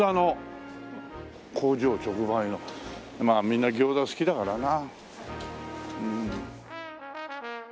みんな餃子好きだからな。